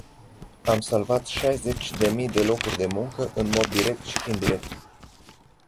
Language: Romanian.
Am salvat șaizeci de mii de locuri de muncă, în mod direct și indirect.